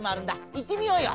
いってみようよ。